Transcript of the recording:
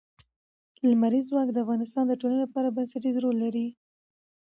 لمریز ځواک د افغانستان د ټولنې لپاره بنسټيز رول لري.